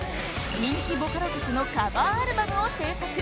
人気ボカロ曲のカバーアルバムを制作